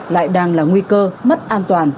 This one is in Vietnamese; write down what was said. lại đang là nguy cơ mất an toàn